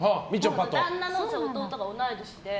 旦那の弟と同い年で。